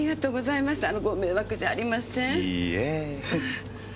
いいえ。